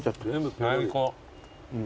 最高。